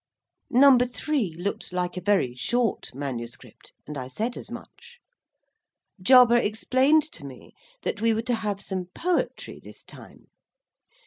Number Three looked like a very short manuscript, and I said as much. Jarber explained to me that we were to have some poetry this time.